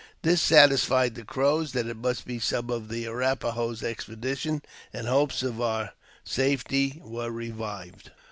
This satisfied the Crows that it must be some of the Arrap a ho expedition, and hopes of our safety were revived.